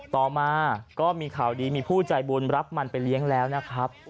ต่อมาก็มีข่าวดีมีผู้ใจบุญรับมันไปเลี้ยงแล้วนะครับ